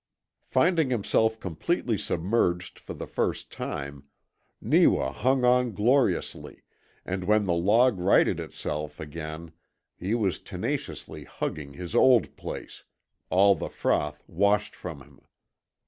Finding himself completely submerged for the first time, Neewa hung on gloriously, and when the log righted itself again he was tenaciously hugging his old place, all the froth washed from him.